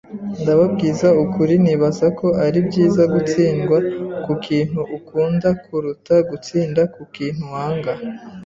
Ndababwiza ukuri nibaza ko ari byiza gutsindwa ku kintu ukunda kuruta gutsinda ku kintu wanga.